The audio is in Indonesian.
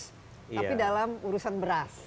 tapi dalam urusan beras